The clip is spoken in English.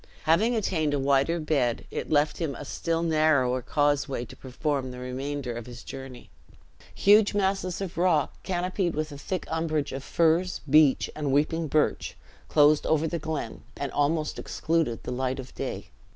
Having attained a wider bed, it left him a still narrower causeway to perform the remainder of his journey. Huge masses of rock, canopied with a thick umbrage of firs, beech, and weeping birch, closed over the glen and almost excluded the light of day.